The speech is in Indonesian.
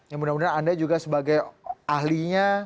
ya mudah mudahan anda juga sebagai ahlinya